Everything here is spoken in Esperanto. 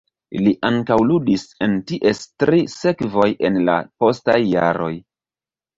Li ankaŭ ludis en ties tri sekvoj en la postaj jaroj.